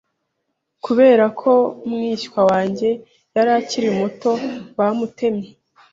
Kubera ko mwishywa wanjye yari akiri muto, bamutemye.